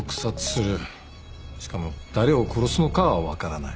しかも誰を殺すのかは分からない。